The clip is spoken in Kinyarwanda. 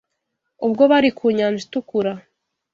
ubwo bari ku nyanja Itukura.